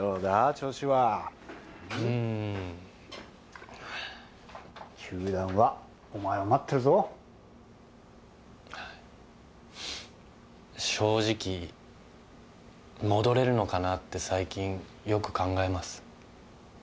調子はうーん球団はお前を待ってるぞはい正直戻れるのかなって最近よく考えます